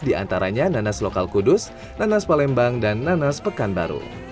di antaranya nanas lokal kudus nanas palembang dan nanas pekanbaru